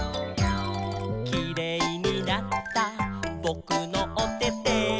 「キレイになったぼくのおてて」